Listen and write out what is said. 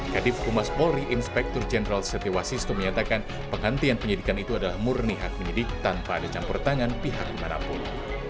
kadif kumas polri inspektur jenderal setiwasisto menyatakan penghentian penyidikan itu adalah murni hak penyidik tanpa ada campur tangan pihak mana pun